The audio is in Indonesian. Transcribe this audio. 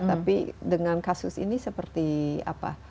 tapi dengan kasus ini seperti apa